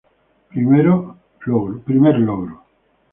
Primer logro.